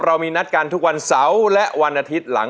เรามีนัดกันทุกวันเสาร์และวันอาทิตย์หลัง